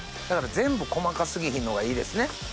全部細か過ぎひんのがいいですね。